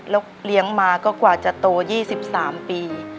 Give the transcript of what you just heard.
แล้วเลี้ยงมาก็กว่าจะโต๒๓ปี